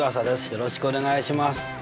よろしくお願いします。